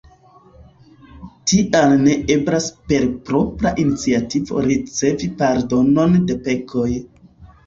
Tial ne eblas per propra iniciato ricevi pardonon de pekoj.